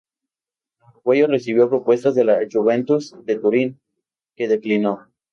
El uruguayo recibió propuestas de la Juventus de Turín, que declinó.